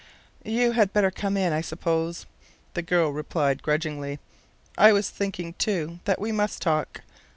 "You had better come in, I suppose," the girl replied, grudgingly. "I was thinking, too, that we must talk.